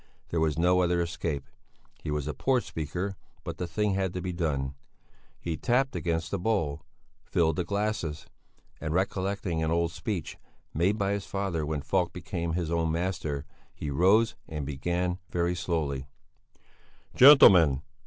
There was no other escape. He was a poor speaker, but the thing had to be done. He tapped against the bowl, filled the glasses, and recollecting an old speech, made by his father when Falk became his own master, he rose and began, very slowly: "Gentlemen!